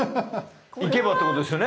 いけばってことですよね。